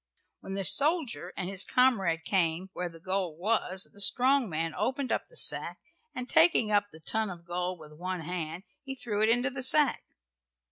When the soldier and his comrade came where the gold was the strong man opened up the sack, and taking up the ton of gold with one hand he threw it into the sack.